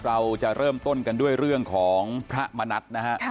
เราจะเริ่มต้นกันด้วยเรื่องของพระมณัฐนะฮะ